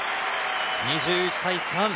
２１対３。